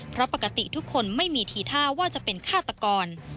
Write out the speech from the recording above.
เพราะปกติทุกคนไม่มีทีท่าว่าจะเป็นฆาตกร